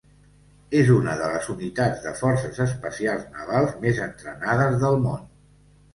És una de les unitats de forces especials navals més entrenades del món.